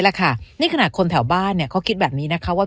แหละค่ะนี่ขนาดคนแถวบ้านเนี่ยเขาคิดแบบนี้นะคะว่า